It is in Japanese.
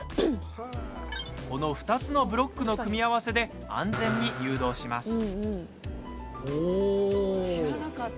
この２つのブロックの組み合わせで、安全に誘導します。